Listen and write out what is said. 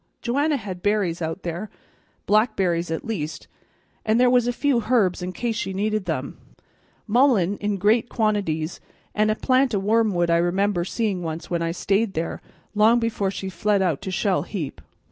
Joanna had berries out there, blackberries at least, and there was a few herbs in case she needed them. Mullein in great quantities and a plant o' wormwood I remember seeing once when I stayed there, long before she fled out to Shell heap.